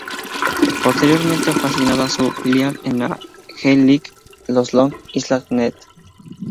Posteriormente fue asignado a su filial en la G League, los Long Island Nets.